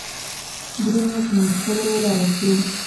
برونو په مشکل ولاړ شو.